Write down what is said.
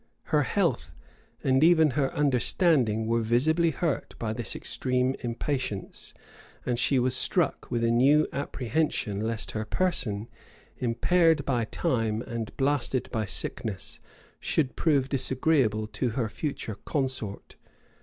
Her health, and even her understanding, were visibly hurt by this extreme impatience; and she was struck with a new apprehension lest her person, impaired by time and blasted by sickness, should prove disagreeable to her future consort.